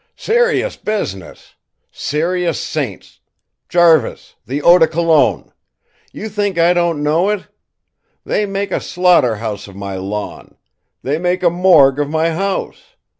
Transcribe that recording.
"Serious business! Serious saints! Jarvis, the eau de cologne! You think I don't know it? They make a slaughter house of my lawn. They make a morgue of my house.